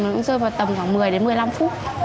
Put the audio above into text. nó cũng sẽ rơi vào tầm khoảng một mươi đến một mươi năm phút